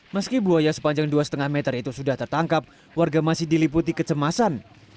meski buaya sepanjang dua lima meter itu sudah tertangkap warga masih diliputi kecemasan